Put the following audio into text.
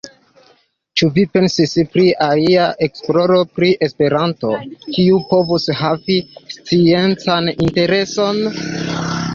Ĉu vi pensis pri alia esploro pri Esperanto, kiu povus havi sciencan intereson?